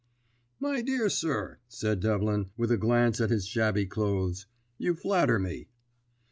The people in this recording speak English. "My dear sir," said Devlin, with a glance at his shabby clothes, "you flatter me."